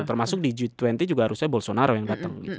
termasuk di g dua puluh juga harusnya bolsonaro yang datang